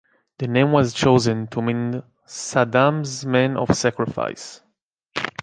The name was chosen to mean "Saddam's Men of Sacrifice".